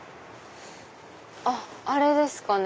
あっあれですかね